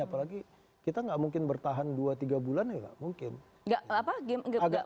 apalagi kita tidak mungkin bertahan dua tiga bulan ya